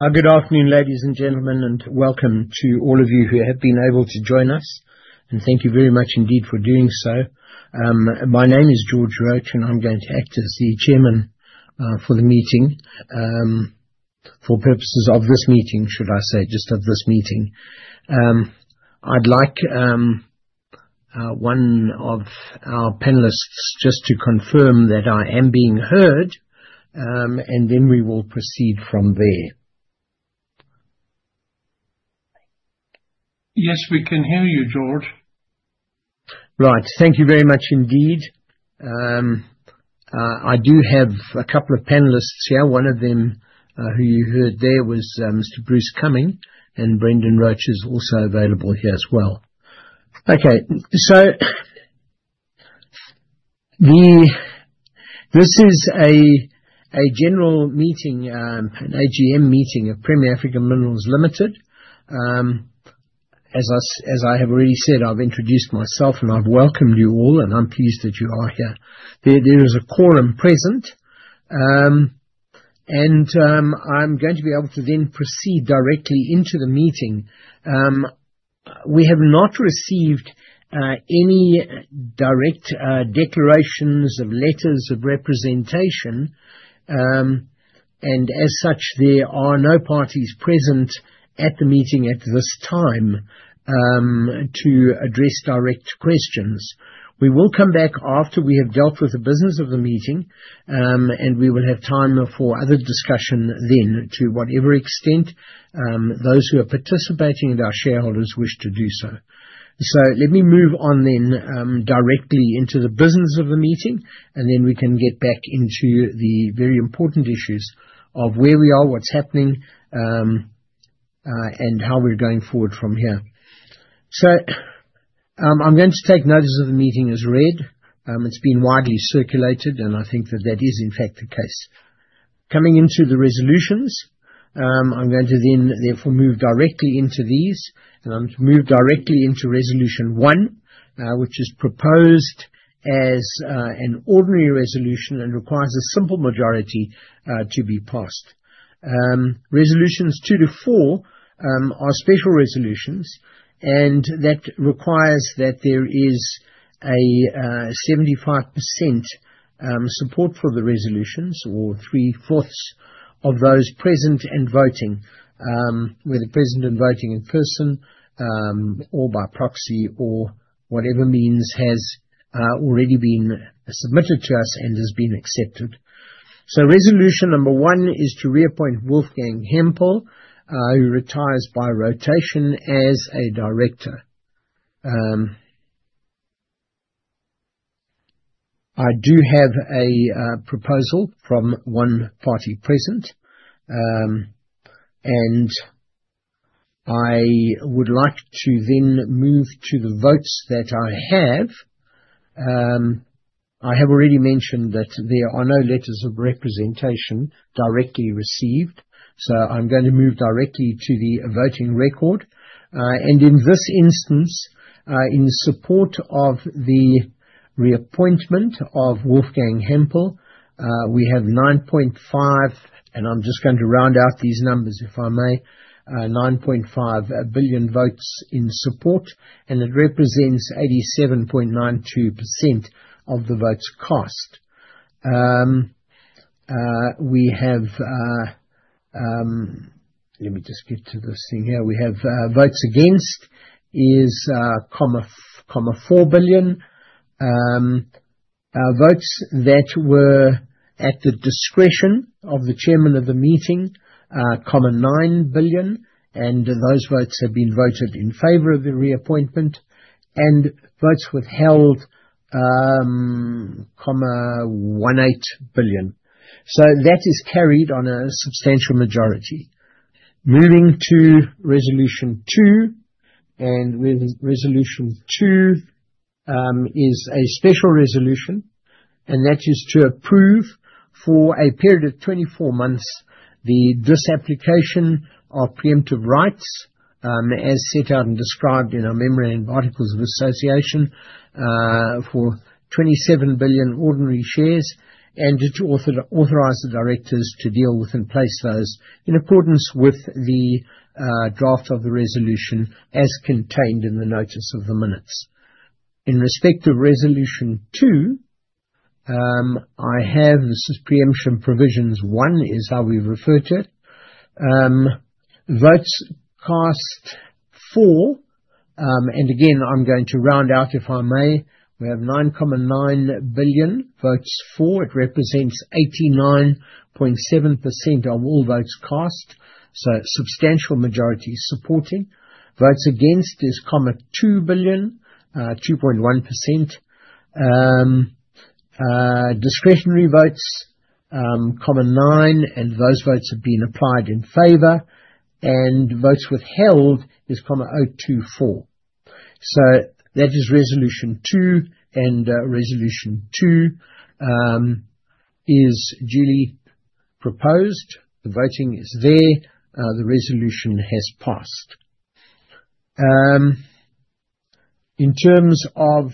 Good afternoon, ladies and gentlemen, and welcome to all of you who have been able to join us. Thank you very much indeed for doing so. My name is George Roach, and I'm going to act as the chairman for the meeting. For purposes of this meeting, should I say, just of this meeting. I'd like one of our panelists just to confirm that I am being heard, and then we will proceed from there. Yes, we can hear you, George. Right. Thank you very much indeed. I do have a couple of panelists here. One of them, who you heard there, Mr. Bruce Cumming, and Brendan Roach is also available here as well. Okay. This is a general meeting, an AGM meeting of Premier African Minerals Limited. As I have already said, I've introduced myself, and I've welcomed you all, and I'm pleased that you are here. There is a quorum present. I'm going to be able to proceed directly into the meeting. We have not received any direct declarations of letters of representation. As such, there are no parties present at the meeting at this time to address direct questions. We will come back after we have dealt with the business of the meeting, and we will have time for other discussion then to whatever extent those who are participating and our shareholders wish to do so. Let me move on then directly into the business of the meeting, and then we can get back into the very important issues of where we are, what's happening, and how we're going forward from here. I'm going to take notice that the meeting is read. It's been widely circulated, and I think that that is in fact the case. Coming into the resolutions, I'm going to then therefore move directly into these. I'm to move directly into resolution one, which is proposed as an ordinary resolution and requires a simple majority to be passed. Resolutions 2-4 are special resolutions, and that requires that there is a 75% support for the resolutions or three-fourths of those present and voting, whether present and voting in person or by proxy or whatever means has already been submitted to us and has been accepted. Resolution number 1 is to reappoint Wolfgang Hampel, who retires by rotation as a director. I do have a proposal from 1 party present. I would like to then move to the votes that I have. I have already mentioned that there are no letters of representation directly received, so I'm gonna move directly to the voting record. In this instance, in support of the reappointment of Wolfgang Hampel, we have 9.5 – and I'm just going to round out these numbers if I may. 9.5 billion votes in support, and it represents 87.92% of the votes cast. Let me just get to this thing here. We have votes against is 0.04 billion. Votes that were at the discretion of the chairman of the meeting are 0.09 billion, and those votes have been voted in favor of the reappointment. Votes withheld 0.18 billion. That is carried on a substantial majority. Moving to resolution two. Resolution two is a special resolution, and that is to approve for a period of 24 months the disapplication of preemptive rights, as set out and described in our memorandum and articles of association, for 27 billion ordinary shares and to authorize the directors to deal with and place those in accordance with the draft of the resolution as contained in the notice of the meeting. In respect to Resolution two, this is preemption provisions one, is how we refer to it. Votes cast for, and again, I'm going to round out if I may. We have 9.9 billion votes for. It represents 89.7% of all votes cast. A substantial majority is supporting. Votes against is 0.2 billion, 2.1%. Discretionary votes, 9, and those votes have been applied in favor. Votes withheld is 024. That is resolution two. Resolution two is duly proposed. The voting is there. The resolution has passed. In terms of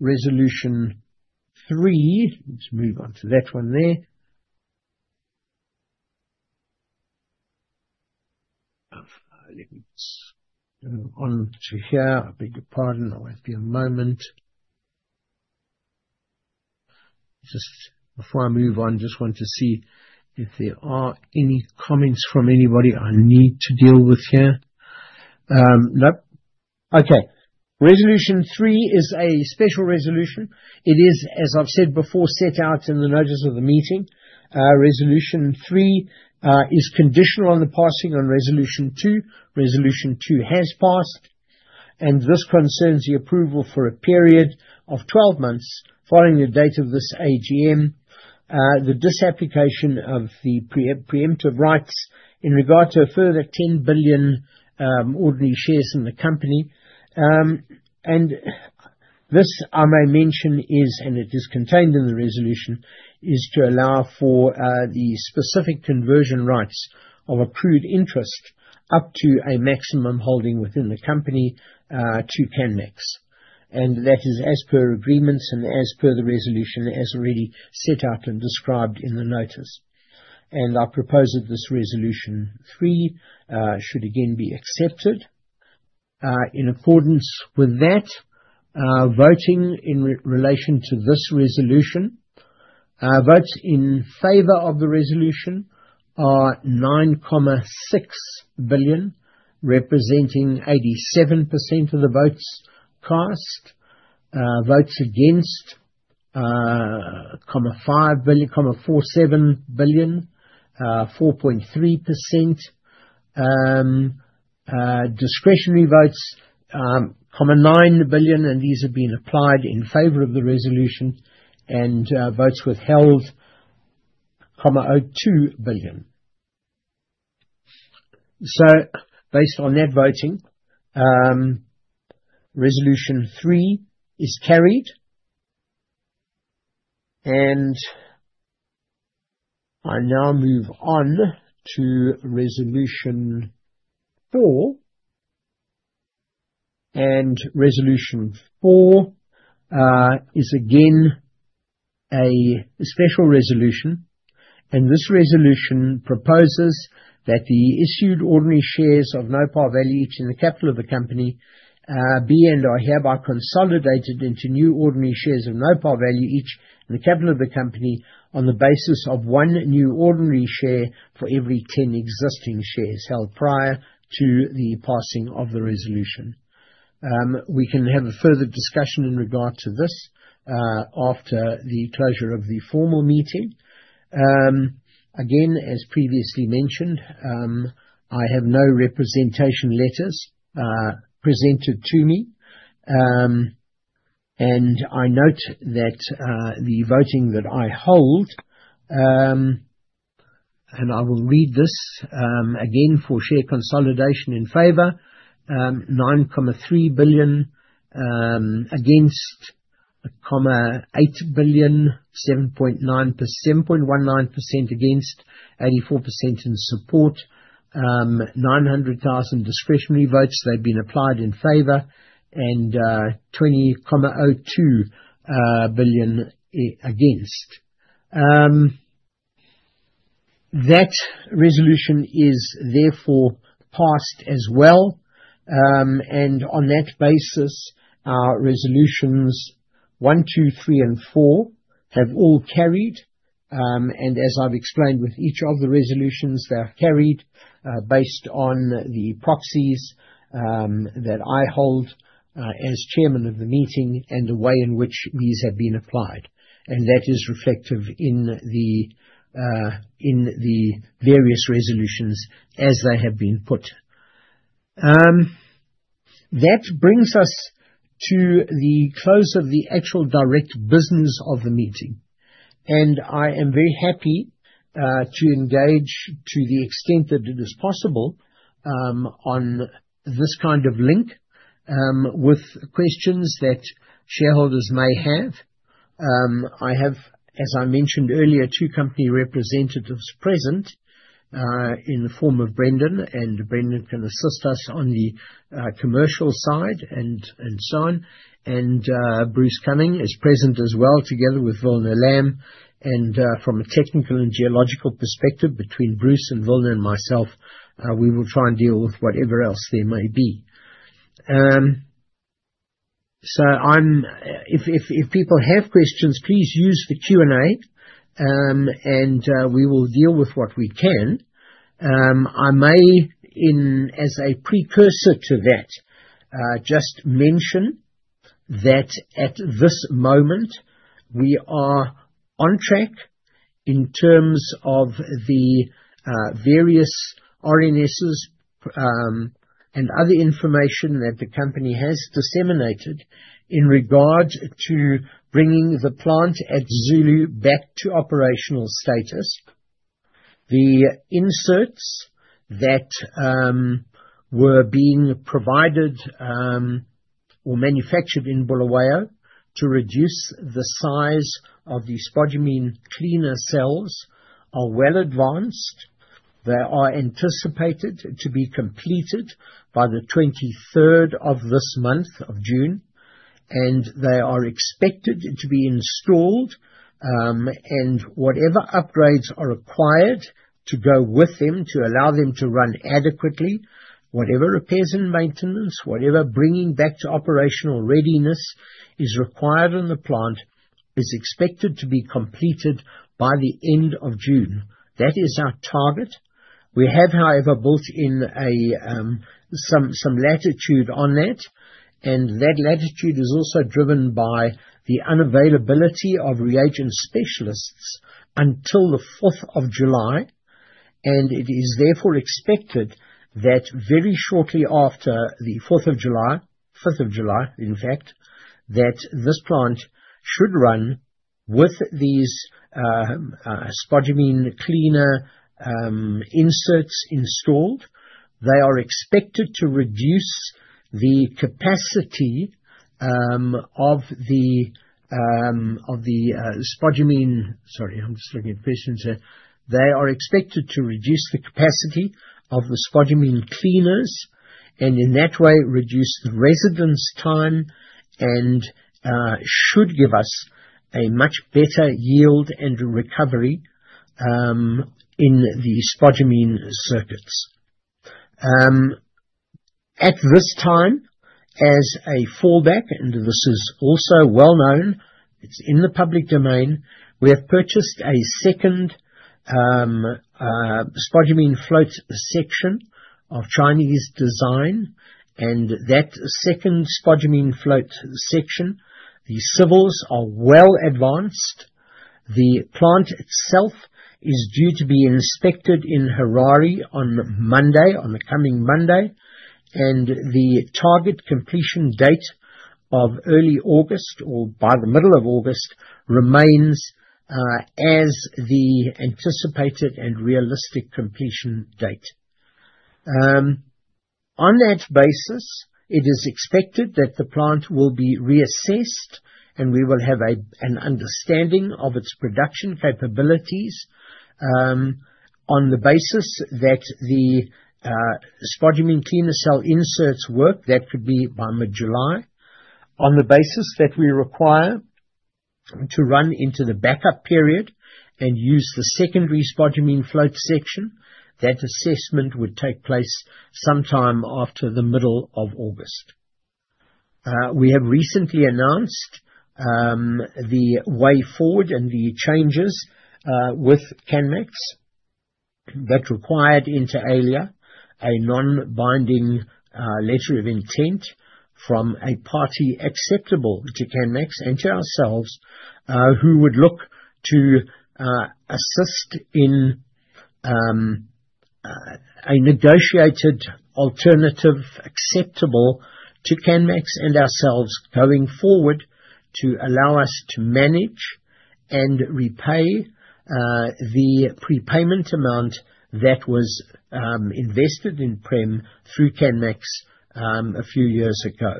resolution three, let's move on to that one there. Let me just go on to here. I beg your pardon. I won't be a moment. Just before I move on, just want to see if there are any comments from anybody I need to deal with here. Nope. Okay. Resolution three is a special resolution. It is, as I've said before, set out in the notice of the meeting. Resolution three is conditional on the passing on resolution two. Resolution two has passed, and this concerns the approval for a period of 12 months following the date of this AGM, the disapplication of the pre-emptive rights in regard to a further 10 billion ordinary shares in the company. This, I may mention, is, and it is contained in the resolution, is to allow for the specific conversion rights of accrued interest up to a maximum holding within the company to Canmax. That is as per agreements and as per the resolution as already set out and described in the notice. I propose that this resolution three should again be accepted. In accordance with that, voting in relation to this resolution. Votes in favor of the resolution are 9.6 billion, representing 87% of the votes cast. Votes against, 0.5 billion. 4.7 billion, 4.3%. Discretionary votes, 9 billion, and these have been applied in favor of the resolution. Votes withheld, 0.2 billion. Based on that voting, resolution 3 is carried. I now move on to resolution 4. Resolution 4 is again a special resolution. This resolution proposes that the issued ordinary shares of no par value each in the capital of the company be and are hereby consolidated into new ordinary shares of no par value each in the capital of the company, on the basis of 1 new ordinary share for every 10 existing shares held prior to the passing of the resolution. We can have a further discussion in regard to this after the closure of the formal meeting. Again, as previously mentioned, I have no representation letters presented to me. I note that the voting that I hold, and I will read this again for share consolidation in favor, 9.3 billion. Against, 8 billion, 7.19% against, 84% in support. 900,000 discretionary votes, they've been applied in favor. 20.02 billion against. That resolution is therefore passed as well. On that basis, our resolutions one, two, three, and four have all carried. As I've explained with each of the resolutions, they are carried based on the proxies that I hold as chairman of the meeting and the way in which these have been applied. That is reflective in the various resolutions as they have been put. That brings us to the close of the actual direct business of the meeting. I am very happy to engage to the extent that it is possible on this kind of link with questions that shareholders may have. I have, as I mentioned earlier, two company representatives present in the form of Brendan, and Brendan can assist us on the commercial side and so on. Bruce Cumming is present as well together with Wilna Lamb. From a technical and geological perspective, between Bruce and Wilna and myself, we will try and deal with whatever else there may be. I'm... If people have questions, please use the Q&A, and we will deal with what we can. I may, as a precursor to that, just mention that at this moment we are on track in terms of the various RNSs, and other information that the company has disseminated in regard to bringing the plant at Zulu back to operational status. The inserts that were being provided, or manufactured in Bulawayo to reduce the size of the spodumene cleaner cells are well advanced. They are anticipated to be completed by the 23rd of this month of June, and they are expected to be installed, and whatever upgrades are required to go with them to allow them to run adequately, whatever repairs and maintenance, whatever bringing back to operational readiness is required on the plant, is expected to be completed by the end of June. That is our target. We have, however, built in a some latitude on that, and that latitude is also driven by the unavailability of reagent specialists until the 4th of July. It is therefore expected that very shortly after the 4th of July, 5th of July, in fact, that this plant should run with these spodumene cleaner inserts installed. They are expected to reduce the capacity of the spodumene. Sorry, I'm just looking at questions here. They are expected to reduce the capacity of the spodumene cleaners, and in that way, reduce the residence time and should give us a much better yield and recovery in the spodumene circuits. At this time as a fallback, and this is also well known, it's in the public domain, we have purchased a second spodumene float section of Chinese design, and that second spodumene float section, the civils are well advanced. The plant itself is due to be inspected in Harare on Monday, on the coming Monday, and the target completion date of early August or by the middle of August remains as the anticipated and realistic completion date. On that basis, it is expected that the plant will be reassessed, and we will have an understanding of its production capabilities, on the basis that the spodumene cleaner cell inserts work. That could be by mid-July. On the basis that we require to run into the backup period and use the secondary spodumene float section. That assessment would take place sometime after the middle of August. We have recently announced the way forward and the changes with Canmax that required inter alia, a non-binding letter of intent from a party acceptable to Canmax and to ourselves who would look to assist in a negotiated alternative acceptable to Canmax and ourselves going forward to allow us to manage and repay the prepayment amount that was invested in Prem through Canmax a few years ago.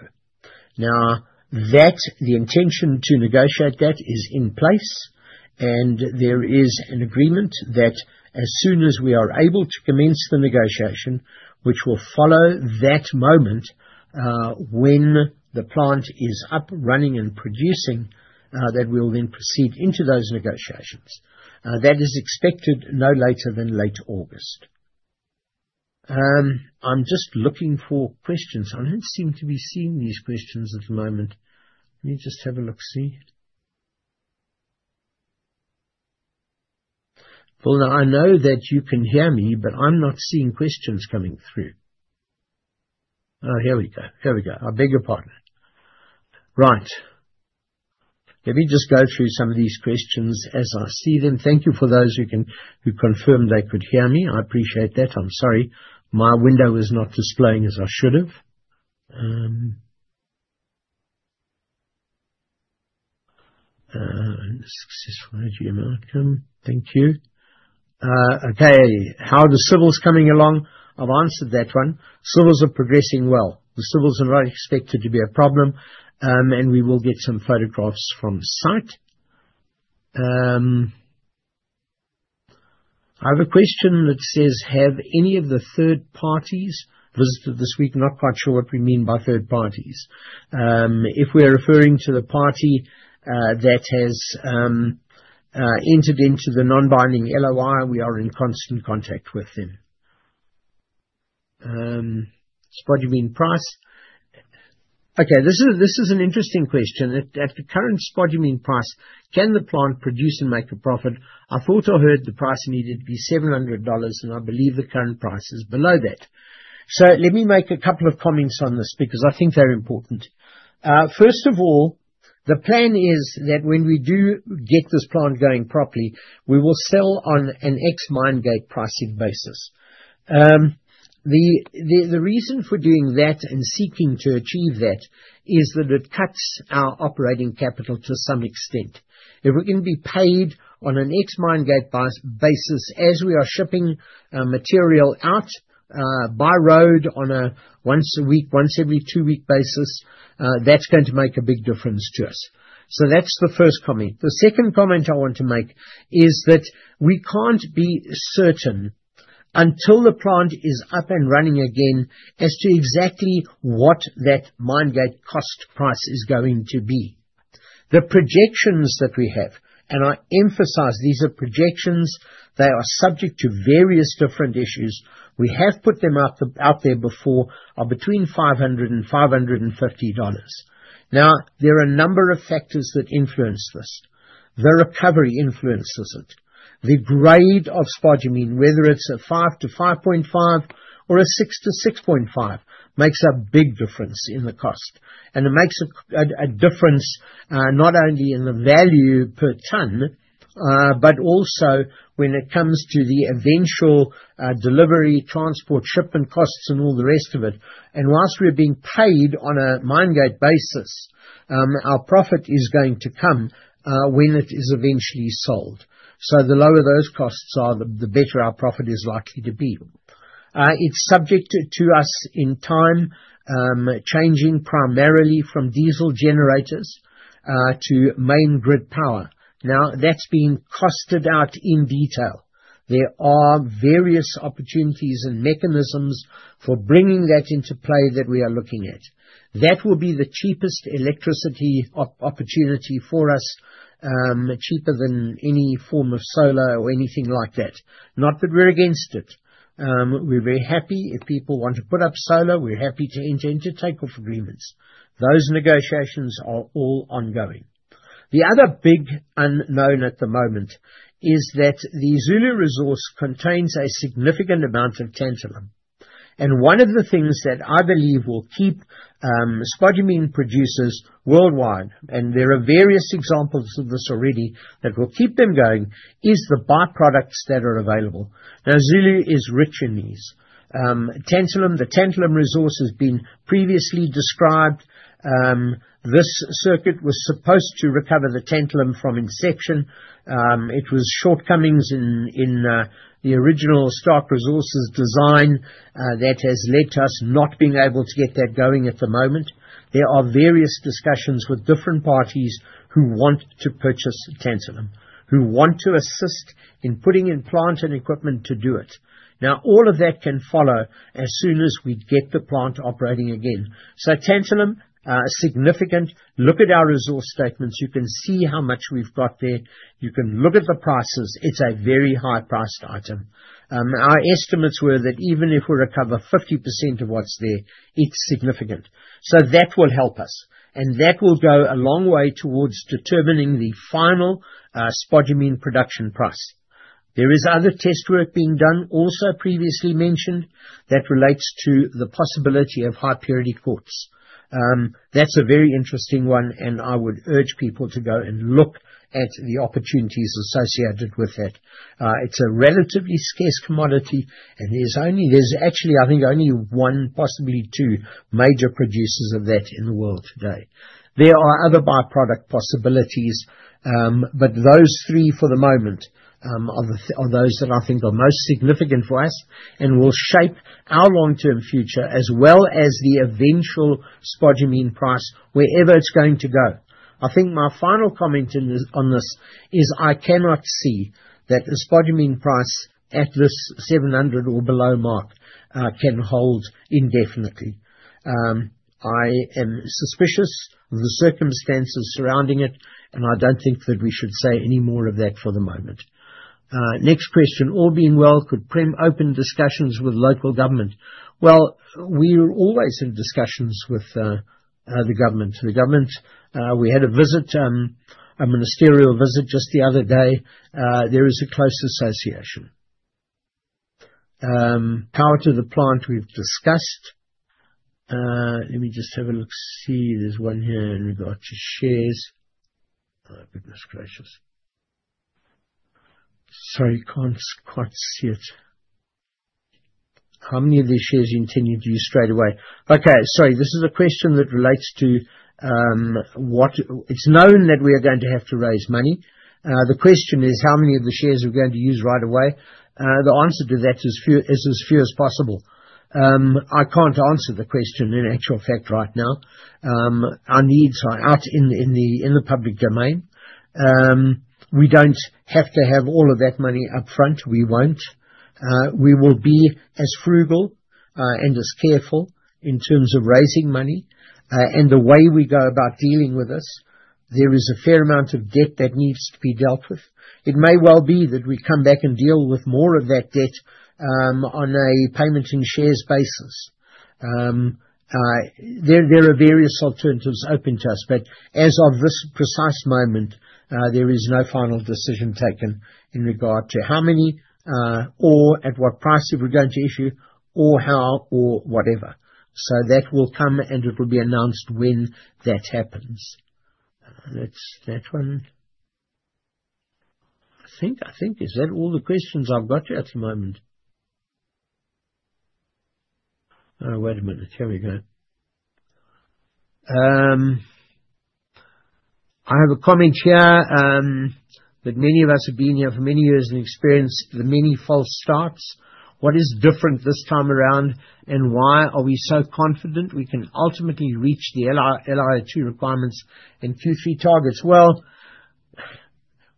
Now that the intention to negotiate that is in place, and there is an agreement that as soon as we are able to commence the negotiation, which will follow that moment, when the plant is up, running and producing, that we will then proceed into those negotiations. That is expected no later than late August. I'm just looking for questions. I don't seem to be seeing these questions at the moment. Let me just have a look-see. Well, now I know that you can hear me, but I'm not seeing questions coming through. Here we go. I beg your pardon. Right. Let me just go through some of these questions as I see them. Thank you for those who confirmed they could hear me. I appreciate that. I'm sorry. My window was not displaying as I should have. Successful until the plant is up and running again as to exactly what that mine gate cost price is going to be. The projections that we have, and I emphasize these are projections, they are subject to various different issues. We have put them out there before, are between $500-$550. Now, there are a number of factors that influence this. The recovery influences it. The grade of spodumene, whether it's 5-5.5 or 6-6.5, makes a big difference in the cost, and it makes a difference not only in the value per ton, but also when it comes to the eventual delivery, transport, shipping costs, and all the rest of it. While we're being paid on a mine gate basis, our profit is going to come when it is eventually sold. The lower those costs are, the better our profit is likely to be. It's subject to us in time changing primarily from diesel generators to main grid power. Now, that's being costed out in detail. There are various opportunities and mechanisms for bringing that into play that we are looking at. That will be the cheapest electricity opportunity for us, cheaper than any form of solar or anything like that. Not that we're against it. We're very happy if people want to put up solar. We're happy to enter into take-off agreements. Those negotiations are all ongoing. The other big unknown at the moment is that the Zulu resource contains a significant amount of tantalum. One of the things that I believe will keep spodumene producers worldwide, and there are various examples of this already that will keep them going, is the byproducts that are available. Now, Sabi Star is rich in these. Tantalum, the tantalum resource has been previously described. This circuit was supposed to recover the tantalum from inception. It was shortcomings in the original Stark Resources design that has led to us not being able to get that going at the moment. There are various discussions with different parties who want to purchase tantalum, who want to assist in putting in plant and equipment to do it. Now, all of that can follow as soon as we get the plant operating again. Tantalum significant. Look at our resource statements. You can see how much we've got there. You can look at the prices. It's a very high-priced item. Our estimates were that even if we recover 50% of what's there, it's significant. That will help us, and that will go a long way towards determining the final spodumene production price. There is other test work being done, also previously mentioned, that relates to the possibility of high purity quartz. That's a very interesting one, and I would urge people to go and look at the opportunities associated with that. It's a relatively scarce commodity, and there's actually, I think, only one, possibly two major producers of that in the world today. There are other byproduct possibilities, but those three for the moment are those that I think are most significant for us and will shape our long-term future as well as the eventual spodumene price wherever it's going to go. I think my final comment on this is I cannot see that the spodumene price at this $700 or below mark can hold indefinitely. I am suspicious of the circumstances surrounding it, and I don't think that we should say any more of that for the moment. Next question. All being well, could PREM open discussions with local government? Well, we are always in discussions with the government. The government we had a visit, a ministerial visit just the other day. There is a close association. Power to the plant we've discussed. Let me just have a look, see there's one here in regard to shares. Oh, goodness gracious. Sorry, can't quite see it. How many of these shares you intend to use straight away? Okay. Sorry. This is a question that relates to. It's known that we are going to have to raise money. The question is how many of the shares we're going to use right away. The answer to that is as few as possible. I can't answer the question in actual fact right now. Our needs are out in the public domain. We don't have to have all of that money up front. We won't. We will be as frugal and as careful in terms of raising money and the way we go about dealing with this. There is a fair amount of debt that needs to be dealt with. It may well be that we come back and deal with more of that debt on a payment and shares basis. There are various alternatives open to us, but as of this precise moment, there is no final decision taken in regard to how many or at what price that we're going to issue or how or whatever. That will come, and it will be announced when that happens. That's that one. I think is that all the questions I've got here at the moment. Oh, wait a minute. Here we go. I have a comment here that many of us have been here for many years and experienced the many false starts. What is different this time around, and why are we so confident we can ultimately reach the Li2O requirements and Q3 targets?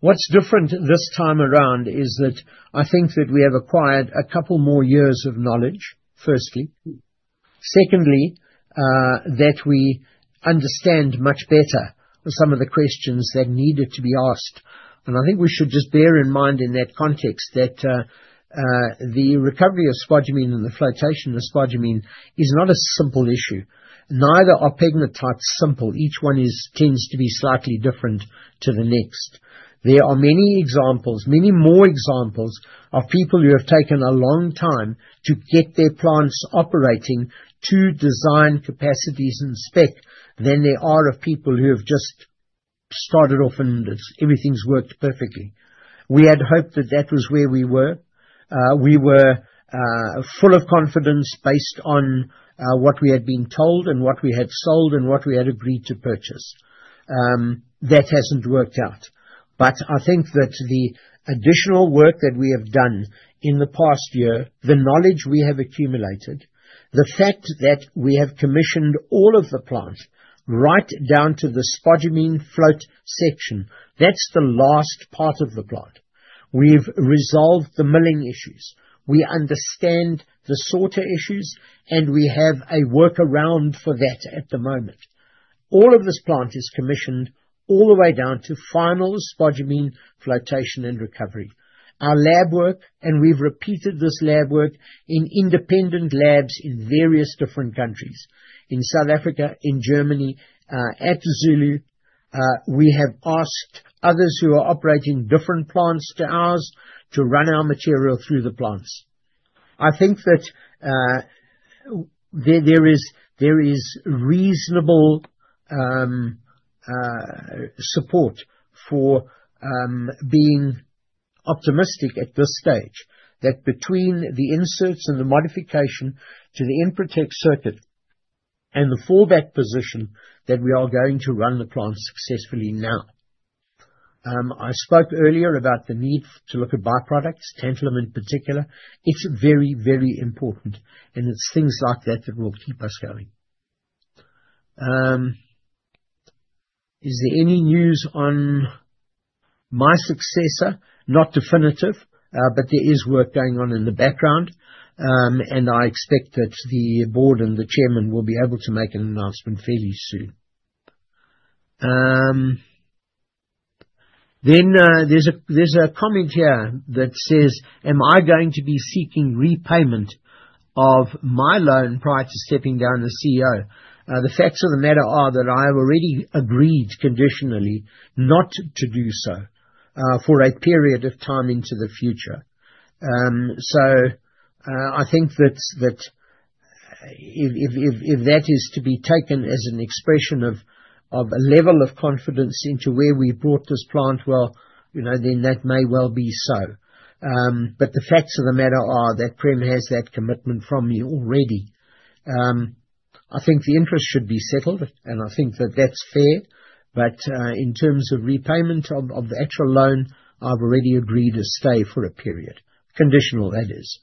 What's different this time around is that I think that we have acquired a couple more years of knowledge, firstly. Secondly, that we understand much better some of the questions that needed to be asked. I think we should just bear in mind in that context that the recovery of spodumene and the flotation of spodumene is not a simple issue. Neither are pegmatites simple. Each one tends to be slightly different to the next. There are many examples, many more examples of people who have taken a long time to get their plants operating to design capacities and spec than there are of people who have just started off and everything's worked perfectly. We had hoped that was where we were. We were full of confidence based on what we had been told and what we had sold and what we had agreed to purchase. That hasn't worked out. I think that the additional work that we have done in the past year, the knowledge we have accumulated, the fact that we have commissioned all of the plant right down to the spodumene float section, that's the last part of the plant. We've resolved the milling issues. We understand the sorter issues, and we have a workaround for that at the moment. All of this plant is commissioned all the way down to final spodumene flotation and recovery. Our lab work, and we've repeated this lab work in independent labs in various different countries, in South Africa, in Germany, at Zulu. We have asked others who are operating different plants to ours to run our material through the plants. I think that there is reasonable support for being optimistic at this stage that between the inserts and the modification to the ENPROTEC circuit and the fallback position that we are going to run the plant successfully now. I spoke earlier about the need to look at byproducts, tantalum in particular. It's very important, and it's things like that that will keep us going. Is there any news on my successor? Not definitive, but there is work going on in the background, and I expect that the board and the chairman will be able to make an announcement fairly soon. There's a comment here that says, am I going to be seeking repayment of my loan prior to stepping down as CEO? The facts of the matter are that I have already agreed conditionally not to do so for a period of time into the future. I think that if that is to be taken as an expression of a level of confidence into where we brought this plant, well, you know, then that may well be so. The facts of the matter are that PREM has that commitment from me already. I think the interest should be settled, and I think that that's fair. In terms of repayment of the actual loan, I've already agreed to stay for a period. Conditional, that is.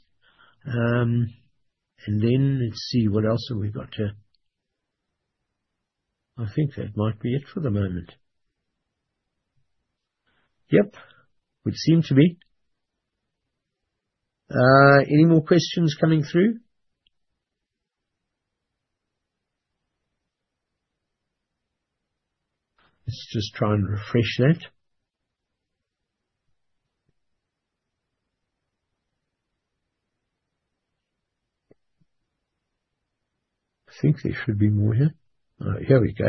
Then let's see, what else have we got here? I think that might be it for the moment. Yep. Would seem to be. Any more questions coming through? Let's just try and refresh that. I think there should be more here. Here we go.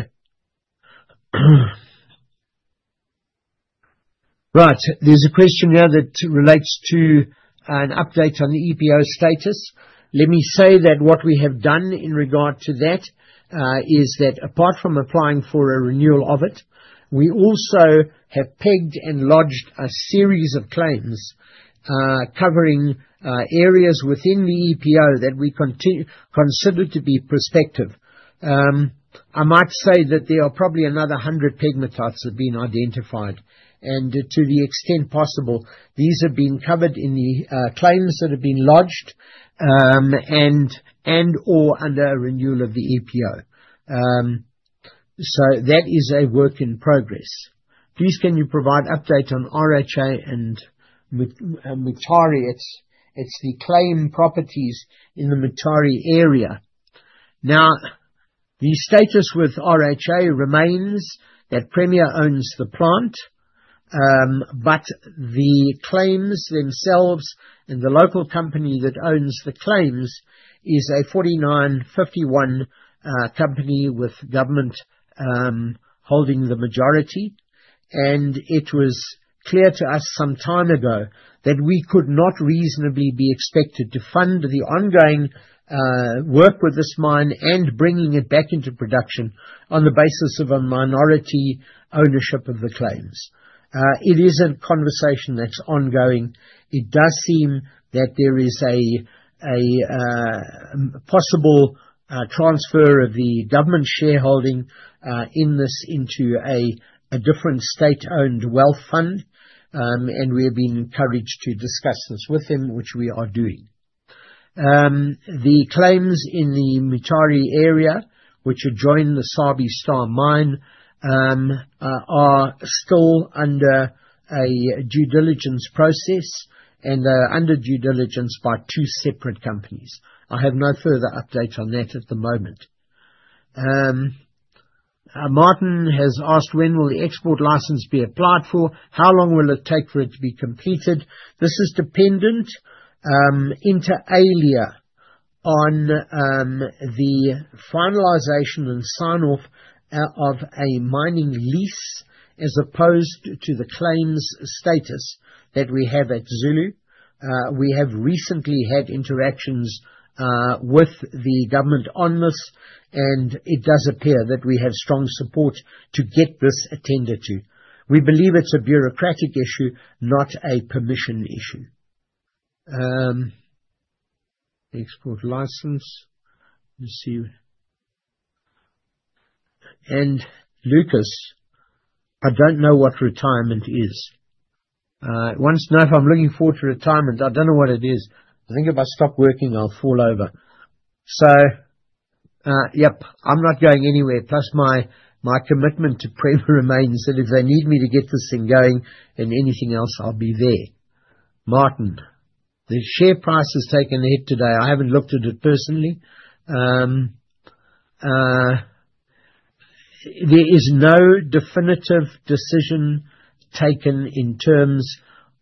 Right. There's a question here that relates to an update on the EPO status. Let me say that what we have done in regard to that is that apart from applying for a renewal of it, we also have pegged and lodged a series of claims covering areas within the EPO that we consider to be prospective. I might say that there are probably another 100 pegmatites have been identified, and to the extent possible, these have been covered in the claims that have been lodged and/or under a renewal of the EPO. That is a work in progress. Please, can you provide update on RHA and Mutare? It's the claim properties in the Mutare area. Now, the status with RHA remains that Premier owns the plant, but the claims themselves and the local company that owns the claims is a 49-51 company with government holding the majority. It was clear to us some time ago that we could not reasonably be expected to fund the ongoing work with this mine and bringing it back into production on the basis of a minority ownership of the claims. It is a conversation that's ongoing. It does seem that there is a possible transfer of the government shareholding in this into a different state-owned wealth fund, and we're being encouraged to discuss this with them, which we are doing. The claims in the Mutare area, which adjoin the Sabi Star mine, are still under a due diligence process and are under due diligence by two separate companies. I have no further update on that at the moment. Martin has asked when will the export license be applied for? How long will it take for it to be completed? This is dependent, inter alia on, the finalization and sign-off of a mining lease as opposed to the claims status that we have at Zulu. We have recently had interactions with the government on this, and it does appear that we have strong support to get this attended to. We believe it's a bureaucratic issue, not a permission issue. Export license. Let's see. Lucas, I don't know what retirement is. Wants to know if I'm looking forward to retirement. I don't know what it is. I think if I stop working, I'll fall over. Yep, I'm not going anywhere. Plus my commitment to Prem remains that if they need me to get this thing going and anything else, I'll be there. Martin, the share price has taken a hit today. I haven't looked at it personally. There is no definitive decision taken in terms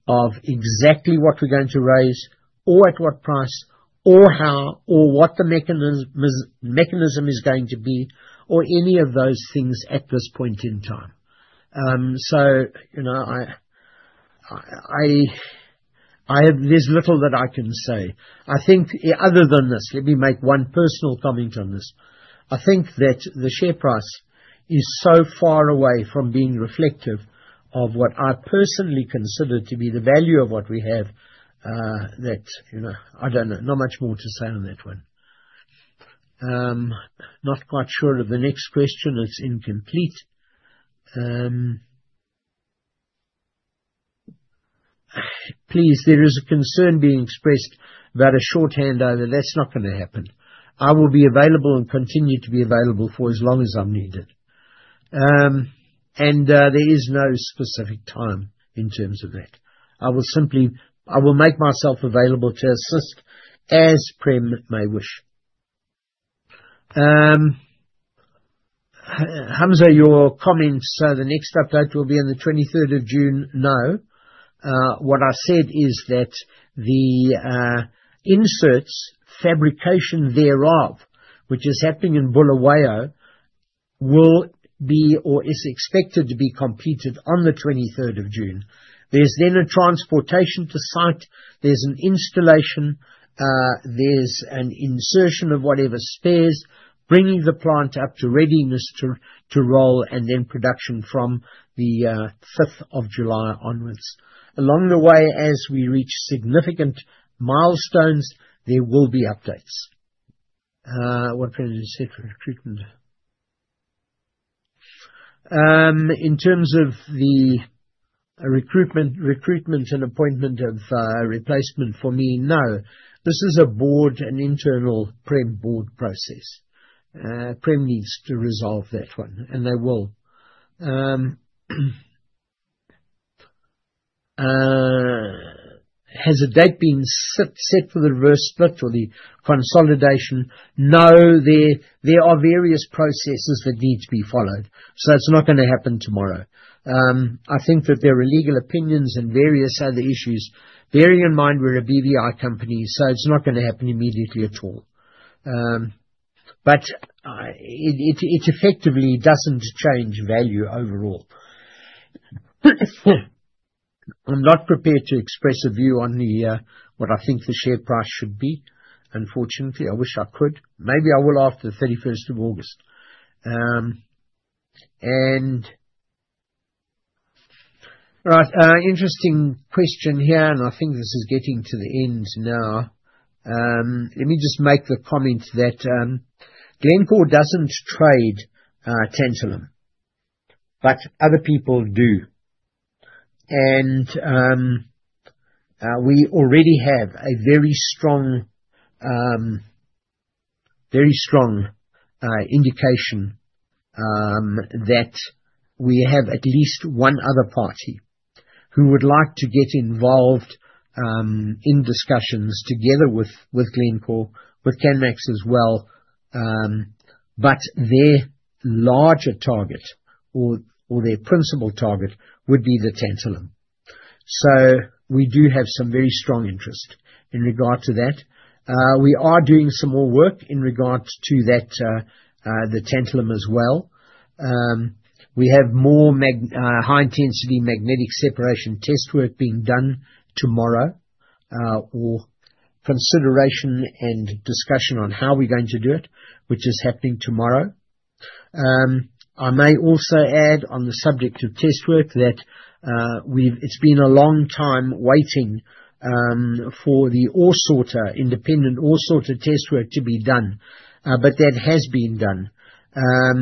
of exactly what we're going to raise or at what price or how or what the mechanism is going to be or any of those things at this point in time. You know, there's little that I can say, I think, other than this. Let me make one personal comment on this. I think that the share price is so far away from being reflective of what I personally consider to be the value of what we have, that, you know, I don't know. Not much more to say on that one. Not quite sure of the next question. It's incomplete. Please, there is a concern being expressed about a shorthand. Now, that's not gonna happen. I will be available and continue to be available for as long as I'm needed. There is no specific time in terms of that. I will make myself available to assist as Prem may wish. Hamza, your comments. The next update will be on the 23rd of June. No. What I said is that the inserts fabrication thereof, which is happening in Bulawayo, will be or is expected to be completed on the 23rd of June. There's then a transportation to site. There's an installation. There's an insertion of whatever spares, bringing the plant up to readiness to roll and then production from the 5th of July onwards. Along the way, as we reach significant milestones, there will be updates. What did I just say for recruitment? In terms of the recruitment and appointment of replacement for me. No. This is a board, an internal Prem board process. Prem needs to resolve that one, and they will. Has a date been set for the reverse split or the consolidation? No. There are various processes that need to be followed, so it's not gonna happen tomorrow. I think that there are legal opinions and various other issues. Bearing in mind we're a BVI company, so it's not gonna happen immediately at all. But it effectively doesn't change value overall. I'm not prepared to express a view on what I think the share price should be, unfortunately. I wish I could. Maybe I will after the thirty-first of August. Right. Interesting question here, and I think this is getting to the end now. Let me just make the comment that Glencore doesn't trade tantalum, but other people do. We already have a very strong indication that we have at least one other party who would like to get involved in discussions together with Glencore, with Canmax as well. Their larger target or their principal target would be the tantalum. We do have some very strong interest in regard to that. We are doing some more work in regards to that, the tantalum as well. We have more high-intensity magnetic separation test work being done tomorrow, or consideration and discussion on how we're going to do it, which is happening tomorrow. I may also add on the subject of test work that it's been a long time waiting for the ore sorter, independent ore sorter test work to be done, but that has been done. I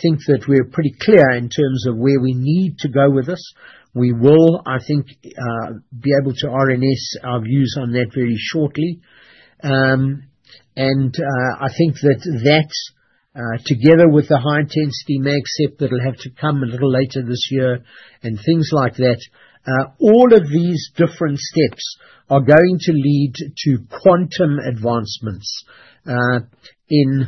think that we're pretty clear in terms of where we need to go with this. We will, I think, be able to RNS our views on that very shortly. I think that, together with the high-intensity mag sep that'll have to come a little later this year and things like that. All of these different steps are going to lead to quantum advancements in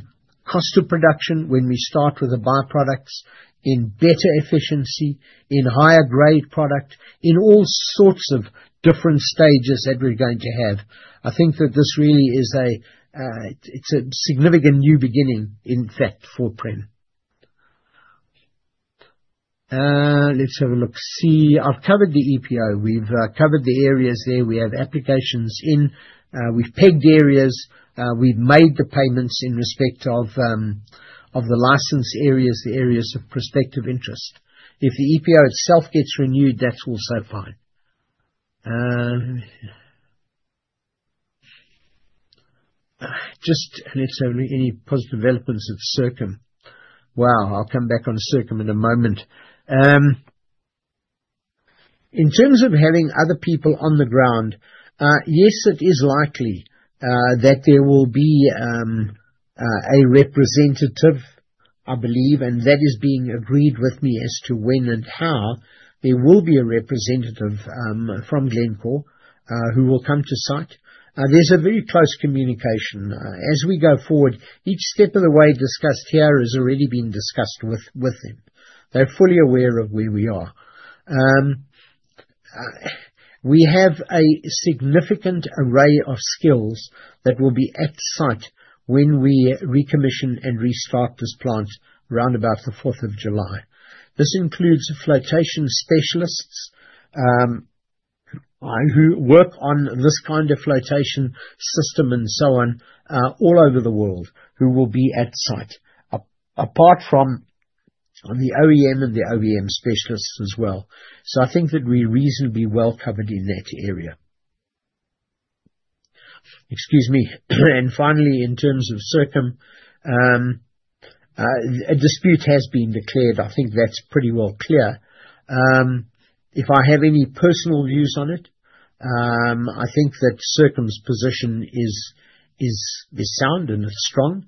cost of production when we start with the by-products, in better efficiency, in higher grade product, in all sorts of different stages that we're going to have. I think that this really is a It's a significant new beginning, in fact, for Prem. Let's have a look. See, I've covered the EPO. We've covered the areas there. We have applications in. We've pegged areas. We've made the payments in respect of the license areas, the areas of prospective interest. If the EPO itself gets renewed, that's also fine. Just let's have a look. Any positive developments at Circum. Wow, I'll come back on Circum in a moment. In terms of having other people on the ground, yes, it is likely that there will be a representative, I believe, and that is being agreed with me as to when and how. There will be a representative from Glencore who will come to site. There's a very close communication. As we go forward, each step of the way discussed here has already been discussed with them. They're fully aware of where we are. We have a significant array of skills that will be at site when we recommission and restart this plant round about the fourth of July. This includes flotation specialists who work on this kind of flotation system and so on all over the world who will be at site, apart from the OEM and the OEM specialists as well. I think that we're reasonably well covered in that area. Excuse me. Finally, in terms of Circum, a dispute has been declared. I think that's pretty well clear. If I have any personal views on it, I think that Circum's position is sound and is strong.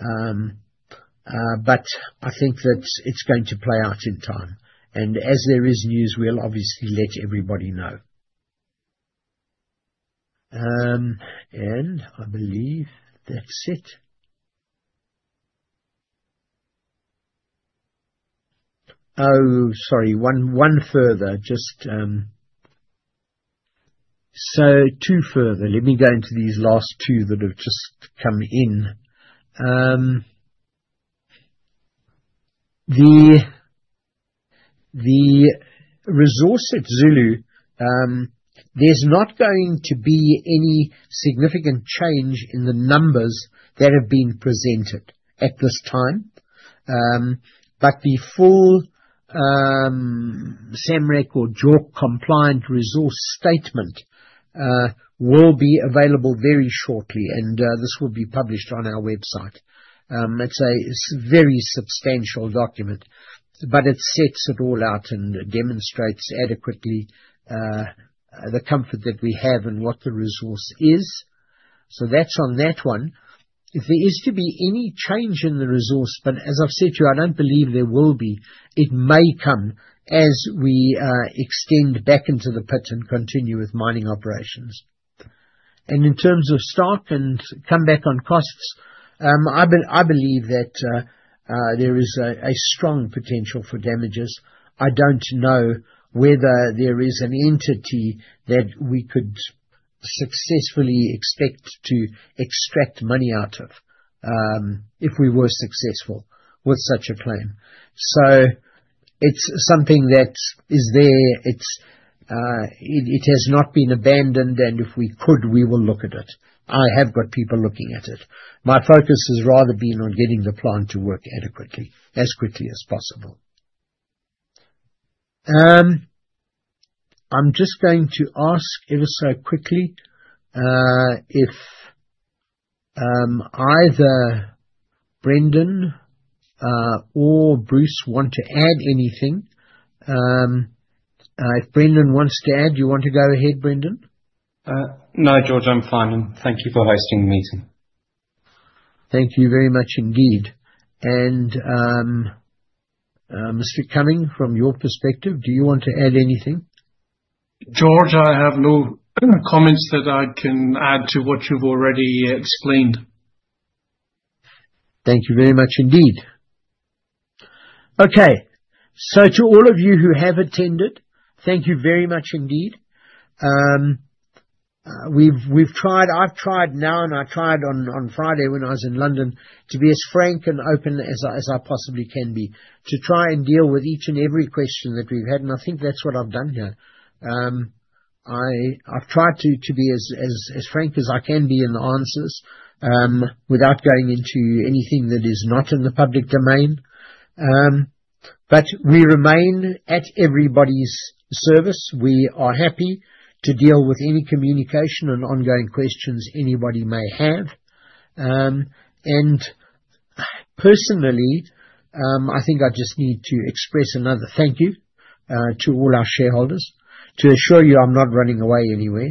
I think that it's going to play out in time. As there is news, we'll obviously let everybody know. I believe that's it. Oh, sorry, one further. Just so two further. Let me go into these last two that have just come in. The resource at Zulu, there's not going to be any significant change in the numbers that have been presented at this time. The full SAMREC or JORC compliant resource statement will be available very shortly, and this will be published on our website. It's a very substantial document, but it sets it all out and demonstrates adequately the comfort that we have and what the resource is. So that's on that one. If there is to be any change in the resource, but as I've said to you, I don't believe there will be, it may come as we extend back into the pit and continue with mining operations. In terms of stock and come back on costs, I believe that there is a strong potential for damages. I don't know whether there is an entity that we could successfully expect to extract money out of, if we were successful with such a claim. It's something that is there. It has not been abandoned, and if we could, we will look at it. I have got people looking at it. My focus has rather been on getting the plant to work adequately as quickly as possible. I'm just going to ask ever so quickly if either Brendan or Bruce want to add anything. If Brendan wants to add. You want to go ahead, Brendan? No, George. I'm fine. Thank you for hosting the meeting. Thank you very much indeed. Mr. Cumming, from your perspective, do you want to add anything? George, I have no comments that I can add to what you've already explained. Thank you very much indeed. Okay. To all of you who have attended, thank you very much indeed. I've tried now and I tried on Friday when I was in London to be as frank and open as I possibly can be to try and deal with each and every question that we've had. I think that's what I've done here. I've tried to be as frank as I can be in the answers, without going into anything that is not in the public domain. We remain at everybody's service. We are happy to deal with any communication and ongoing questions anybody may have. Personally, I think I just need to express another thank you to all our shareholders to assure you I'm not running away anywhere,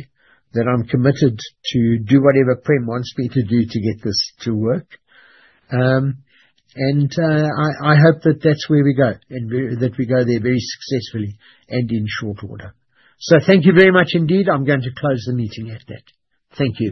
that I'm committed to do whatever Prem wants me to do to get this to work. I hope that that's where we go, that we go there very successfully and in short order. Thank you very much indeed. I'm going to close the meeting at that. Thank you.